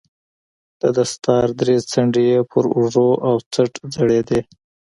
د دستار درې څنډې يې پر اوږو او څټ ځړېدې.